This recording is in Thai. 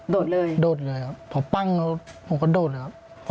ดเลยโดดเลยครับพอปั้งผมก็โดดเลยครับ